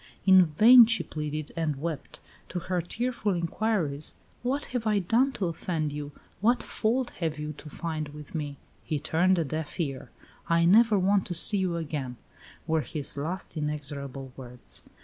In vain she pleaded and wept. To her tearful inquiries, "What have I done to offend you? What fault have you to find with me?" he turned a deaf ear. "I never want to see you again," were his last inexorable words.